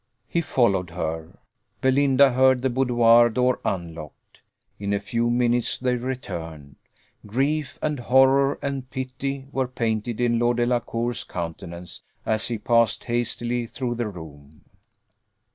He followed her. Belinda heard the boudoir door unlocked. In a few minutes they returned. Grief, and horror, and pity, were painted in Lord Delacour's countenance, as he passed hastily through the room.